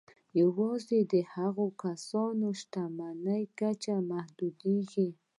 یوازې د هغو کسانو د شتمني کچه محدودېږي